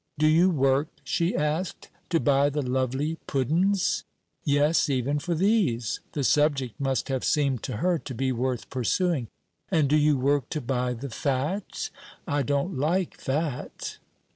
"Do you work," she asked, "to buy the lovely puddin's?" Yes, even for these. The subject must have seemed to her to be worth pursuing. "And do you work to buy the fat? I don't like fat."